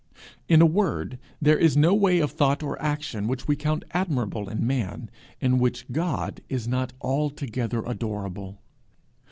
In a word, there is no way of thought or action which we count admirable in man, in which God is not altogether adorable.